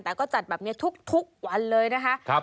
แต่ก็จัดแบบนี้ทุกวันเลยนะคะ